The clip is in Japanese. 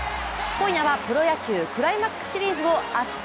今夜はプロ野球クライマックスシリーズを熱く！